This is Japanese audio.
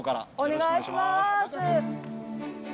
お願いします。